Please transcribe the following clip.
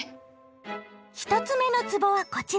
１つ目のつぼはこちら。